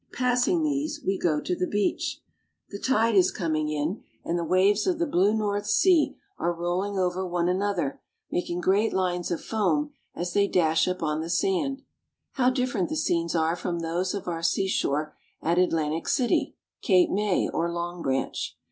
Passing these, we go to the beach. The tide is coming CARP. EUROPE — IO 154 THE NETHERLANDS. in, and the waves of the blue North Sea are rolling over one another, making great lines of foam as they dash up on the sand. How different the scenes are from those of our seashore at Atlantic City, Cape May, or Long Branch.